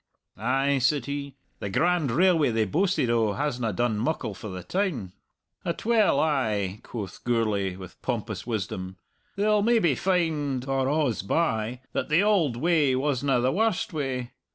"Ay," said he, "the grand railway they boasted o' hasna done muckle for the town!" "Atwell ay," quoth Gourlay with pompous wisdom; "they'll maybe find, or a's by, that the auld way wasna the warst way.